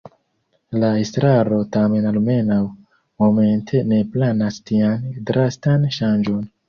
La estraro tamen almenaŭ momente ne planas tian drastan ŝanĝon.